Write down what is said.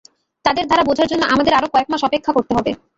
তাদের ধারা বোঝার জন্য আমাদের আরও কয়েক মাস অপেক্ষা করতে হবে।